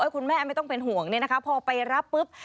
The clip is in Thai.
คุณแม่ไม่ต้องเป็นห่วงพอไปรับปุ๊บ